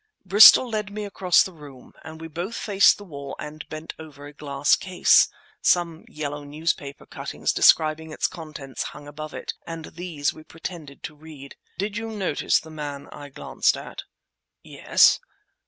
Bristol led me across the room, and we both faced the wall and bent over a glass case. Some yellow newspaper cuttings describing its contents hung above it, and these we pretended to read. "Did you notice that man I glanced at?" "Yes."